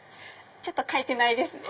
ちょっと書いてないですね。